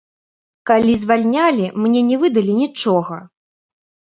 Калі звальнялі, мне не выдалі нічога.